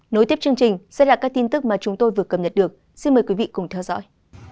nối tiếp chương trình sẽ là các tin tức mà chúng tôi vừa cập nhật được xin mời quý vị cùng theo dõi